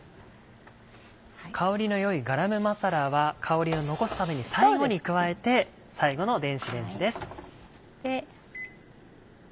香りの良いガラムマサラは香りを残すために最後に加えて最後の電子レンジです。